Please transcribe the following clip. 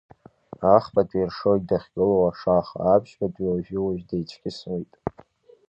Ахԥатәи иршоит дахьгылоу ашаха, Аԥшьбатәи уажәы-уажә деицәкьысуеит…